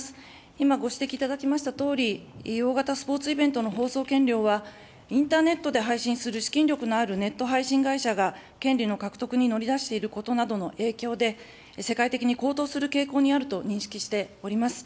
今、ご指摘いただきましたとおり、大型スポーツイベントの放送権料は、インターネットで配信する資金力のあるネット配信会社が権利の獲得に乗り出していることなどの影響で、世界的に高騰する傾向にあると認識しております。